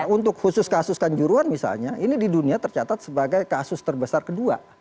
untuk khusus kasus kanjuruan misalnya ini di dunia tercatat sebagai kasus terbesar kedua